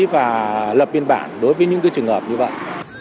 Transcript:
và lập biên bản đối với những trường hợp như vậy